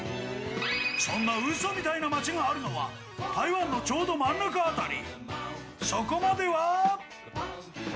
そんなうそみたいな街があるのは台湾のちょうど真ん中辺り。